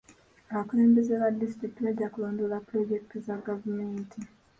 Abakulembeze ba disitulikiti bajja kulondoola pulojekiti za gavumenti.